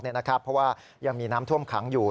เพราะว่ายังมีน้ำท่วมขังอยู่